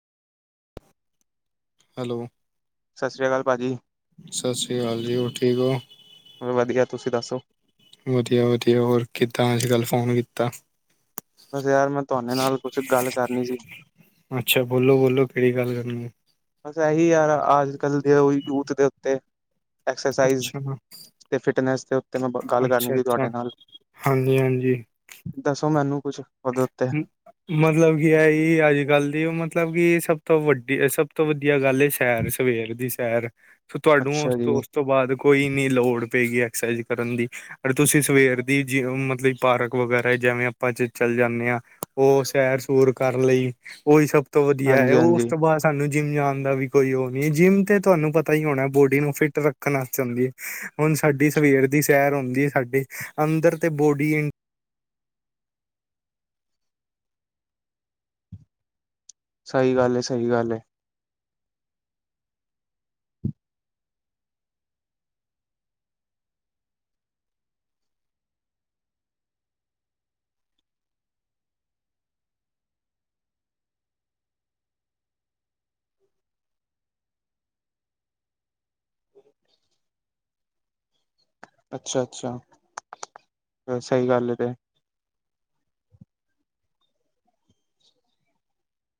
Hello! ਸਤਿ ਸ਼੍ਰੀ ਅਕਾਲ ਭਾਜੀ, ਸਤਿ ਸ਼੍ਰੀ ਅਕਾਲ ਜੀ ਹੋਰ ਠੀਕ ਹੋ ਵਧੀਆ ਤੁਸੀਂ ਦੱਸੋ। ਵਧੀਆ-ਵਧੀਆ, ਹੋਰ ਕਿੱਦਾਂ ਅੱਜ-ਕੱਲ੍ਹ ਫੋਨ ਕੀਤਾ? ਬਸ ਯਾਰ ਮੈਂ ਤੁਹਾਡੇ ਨਾਲ ਕੁਛ ਗੱਲ ਕਰਨੀ ਸੀ। ਅੱਛਾ, ਬੋਲੋ-ਬੋਲੋ ਕਿਹੜੀ ਗੱਲ ਕਰਨੀ ਏ? ਬਸ ਇਹੀ ਯਾਰ ਅਜ-ਕੱਲ੍ਹ ਦੇੋ ਯੂਥ ਦੇ ਉੱਤੇ ਐਕਸਰਸਾਈਜ਼। ਅੱਛਾ ਤੇ ਫਿਟਨੈਸ ਦੇ ਉੱਤੇ ਮੈਂ ਗੱਲ ਕਰਨੀ ਅੱਛਾ ਸੀ ਅੱਛਾ ਤੁਹਾਡੇ ਨਾਲ। ਹਾਂਜੀ ਹਾਂਜੀ ਦੱਸੋ ਮੈਨੂੰ ਕੁੱਛ ਉਹਦੇ ਉੱਤੇ। ਮ- ਮਤਲਬ ਕੀ ਏਹੀ ਅੱਜ-ਕੱਲ ਦੀ ਉ ਮਤਲਬ ਕੀ ਸਭ ਤੋਂ ਵੱਡੀ ਸਭ ਤੋਂ ਵਧੀਆ ਗੱਲ ਏ। ਸੈਰ ਸਵੇਰ ਦੀ ਸੈਰ ਫਿਰ ਤੁਹਾਾਨੂੰ ਉਸ ਅੱਛਾ ਜੀ ਤੋਂ ਉਸ ਤੋਂ ਬਾਦ ਕੋਈ ਨੀ ਲੋੜ ਪਏਗੀ ਐਕਸਰਸਾਈਜ਼ ਕਰਨ ਦੀ। ਤੁਸੀਂ ਸਵੇਰ ਦੀ ਜਿਵੇ ਮਤਲਬ ਪਾਰਕ ਵਗੈਰਾ ਜਿਵੇਂ ਆਪਾਂ ਚਲੇ ਜਾਂਨੇ ਹਾਂ, ਉ ਸੈਰ-ਸੂਰ ਕਰ ਲਈ ਉਹੀ ਸਭ ਤੋਂ ਵਧੀਆ ਹੈ ਹਾਂਜੀ ਉਸ ਹਾਂਜੀ ਤੋਂ ਬਾਦ ਤੂਹਾਨੂੰ ਜਿੰਮ ਜਾਣ ਦਾ ਵੀ ਕੋਈ ਉ ਨੀ ਜਿੰਮ ਤੇ ਤੁਹਾਨੂੰ ਪਤਾ ਹੀ ਹੋਣਾ, ਬੋਡੀ ਨੂੰ ਫਿਟ ਰੱਖਣ ਅਸਤੇ ਹੂੰਦੀ ਏ। ਹੁਣ ਸਾਡੀ ਸਵੇਰ ਦੀ ਸੈਰ ਉਂਦੀ ਏ ਸਾਡੀ ਅੰਦਰ ਤੇ ਬੋਡੀ ਇ ਸਹੀ ਗੱਲ ਏ -ਸਹੀ ਗੱਲ ਏ। ਅੱਛਾ-ਅੱਛਾ, ਸਹੀ ਗੱਲ ਹੈ ਇਹ ਤੇ।